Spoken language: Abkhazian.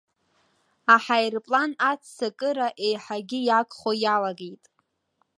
Аҳаирплан аццакыра еиҳагьы иагхо иалагеит.